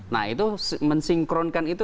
nah itu mensinkronkan itu